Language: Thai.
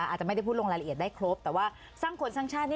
อาจจะไม่ได้พูดลงรายละเอียดได้ครบแต่ว่าสร้างคนสร้างชาติ